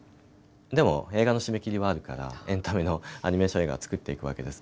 でも、映画の締め切りはあるからエンタメのアニメーション映画を作っていくわけです。